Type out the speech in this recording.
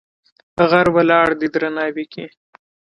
غر ولاړ دی درناوی کې.